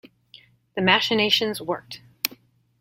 The machinations worked.